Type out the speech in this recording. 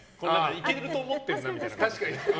いけると思ってるなみたいな。